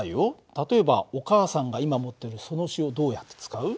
例えばお母さんが今持ってるその塩どうやって使う？